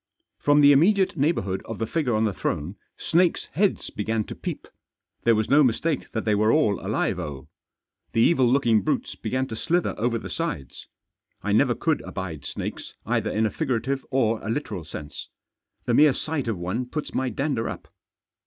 From the immediate neighbourhood of the figure on the throne snakes' heads began to peep. There was no mistake that they were all alive oh ! The evil looking brutes began to slither over the sides. I never Digitized by THE OFFERINGS OF THE FAITHFUL* 249 could abide snakes, either in a figurative or a literal sense. The mere sight of one puts my' dander up.